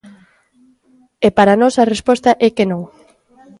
E para nós a resposta é que non.